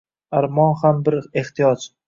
— Armon ham bir ehtiyoj.